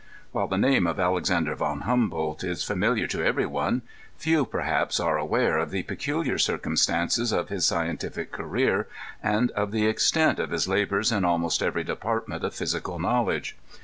* While the name of Alexander von Humboldt is fa miliar to every one, few, perhaps, are aware of the peculiar circumstances of his scientific career and of the extent of his labors in almost every department of physical knowledge.